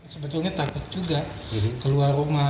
sebetulnya takut juga keluar rumah